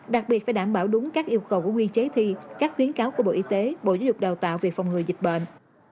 đặc biệt phải đảm bảo đúng các yêu cầu của quy chế thi các khuyến cáo của bộ y tế bộ giáo dục đào tạo về phòng ngừa dịch bệnh